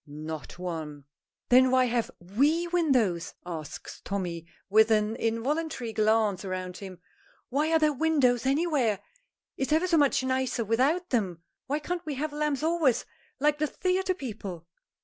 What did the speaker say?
"Not one." "Then why have we windows?" asks Tommy, with an involuntary glance round him. "Why are there windows anywhere? It's ever so much nicer without them. Why can't we have lamps always, like the theatre people?"